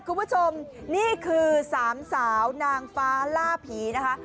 คุณผู้ชมนี่คือสามสาวนางฟ้าล่าผีนะคะ